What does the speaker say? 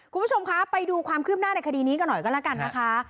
คุณผู้ชมคะไปดูความคืบหน้าในคดีนี้กันหน่อยก็แล้วกันนะคะ